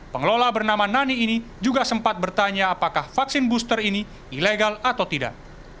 pengelola bernama nani ini juga sempat bertanya apakah vaksin booster ini ilegal atau tidak